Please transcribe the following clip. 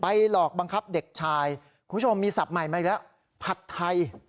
หลอกบังคับเด็กชายคุณผู้ชมมีศัพท์ใหม่มาอีกแล้วผัดไทย